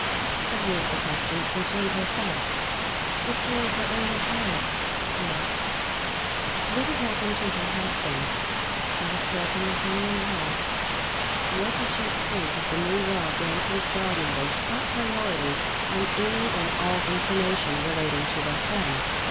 A few of the questions concerned herself: Was Terry her only child? ("Yes.") What had happened to her husband? ("He was killed in the Korean War.") What did she think of the new law granting star mothers top priority on any and all information relating to their sons?